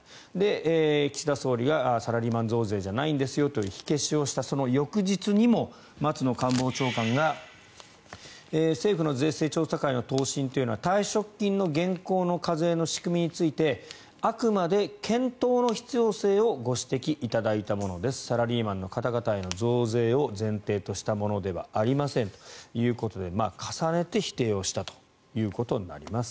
岸田総理がサラリーマン増税じゃないんですよという火消しをしたその翌日にも松野官房長官が政府の税制調査会の答申というのは退職金の現行の課税の仕組みについてあくまで検討の必要性をご指摘いただいたものですサラリーマンの方々への増税を前提としたものではありませんということで重ねて否定をしたということになります。